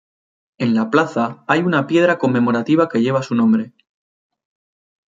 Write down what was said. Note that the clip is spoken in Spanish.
En la plaza hay una piedra conmemorativa que lleva su nombre.